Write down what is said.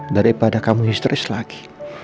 daripada kamu stress lagi